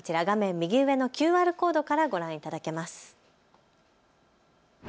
右上のＱＲコードからご覧いただけます。